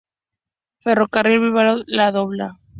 Ferrocarril Bilbao La Robla.